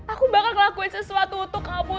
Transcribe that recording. aku bakal ngelakuin sesuatu untuk kamu